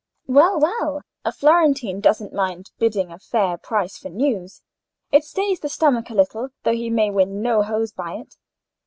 "Well, well; a Florentine doesn't mind bidding a fair price for news: it stays the stomach a little though he may win no hose by it.